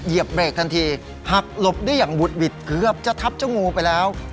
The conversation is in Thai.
เหยียบเบรกทันทีหักหลบได้อย่างบุดหวิดเกือบจะทับเจ้างูไปแล้ว